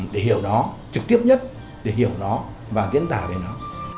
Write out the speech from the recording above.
để hiểu nó trực tiếp nhất để hiểu nó và diễn tả về nó